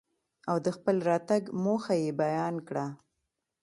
او دخپل راتګ موخه يې بيان کره.